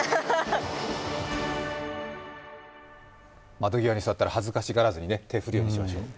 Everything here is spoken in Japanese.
窓際に座ったら恥ずかしがらずに手を振るようにしましょう。